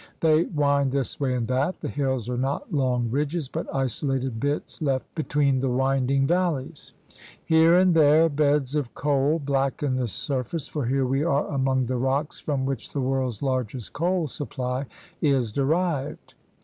They wind this way and that. The hills are not long ridges but isolated bits left between the wind ing valleys. Here and there beds of coal blacken the surface, for here we are among the rocks from which the world's largest coal supply is derived.